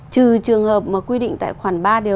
trừ trường hợp mà quy định tại khoản vi phạm pháp luật